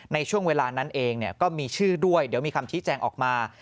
ในช่วงเวลานั้นเองก็มีชื่อด้วยเดี๋ยวมีคำชี้แจงออกมา